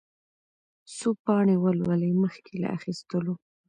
څو پاڼې ولولئ مخکې له اخيستلو.